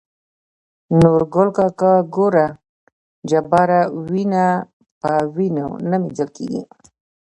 نورګل کاکا :ګوره جباره وينه په وينو نه مينځل کيږي.